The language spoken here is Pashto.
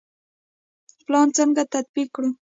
پلان څنګه تطبیق کړو؟